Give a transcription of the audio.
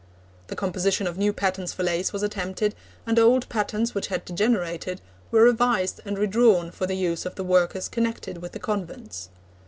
The composition of new patterns for lace was attempted, and old patterns which had degenerated were revised and redrawn for the use of the workers connected with the convents.